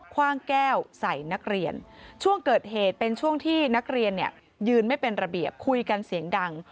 คว่างแก้วใส่นักเรียน